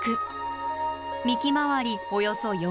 幹回りおよそ４ｍ。